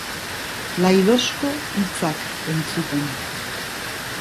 Laidozko hitzak entzuten.